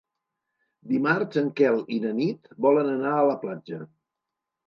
Dimarts en Quel i na Nit volen anar a la platja.